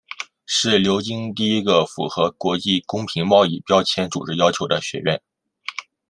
是牛津第一个符合国际公平贸易标签组织要求的学院。